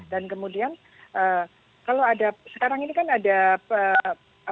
dan kemudian kalau ada sekarang ini kan ada penghentian ya